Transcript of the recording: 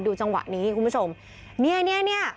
จังหวะนี้คุณผู้ชมเนี่ยเนี่ย